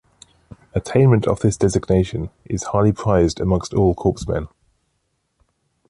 Attainment of this designation is highly prized among all corpsmen.